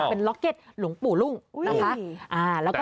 เป็นล็อกเก็ตหลวงปู่รุ่งนะคะ